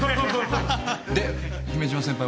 で姫島先輩は？